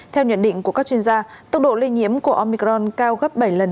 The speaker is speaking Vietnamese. theo nhận định của các chuyên gia tốc độ lây nhiễm của omicron cao gấp bảy lần